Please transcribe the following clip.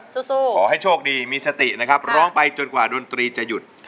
สู้ขอให้โชคดีมีสตินะครับร้องไปจนกว่าดนตรีจะหยุด